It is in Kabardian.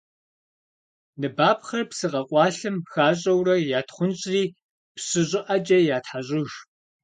Ныбапхъэр псы къэкъуалъэм хащӏэурэ ятхъунщӏри псы щӏыӏэкӏэ ятхьэщӏыж.